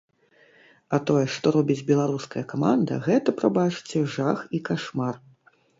А тое, што робіць беларуская каманда, гэта, прабачце, жах і кашмар.